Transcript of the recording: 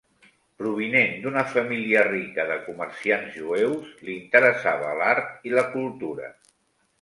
Provinent d'una família rica de comerciants jueus, li interessava l'art i la cultura.